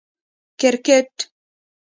🏏 کرکټ